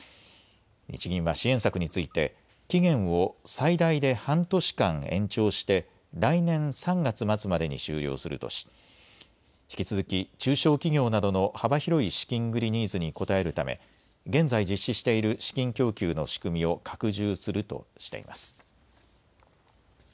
日銀は支援策について期限を最大で半年間延長して来年３月末までに終了するとし引き続き中小企業などの幅広い資金繰りニーズに応えるため現在、実施している資金供給の仕組みを拡充するとしています。